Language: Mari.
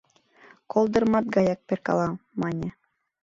— Колдырмат гаяк перкала, — мане.